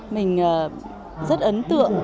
mình rất ấn tượng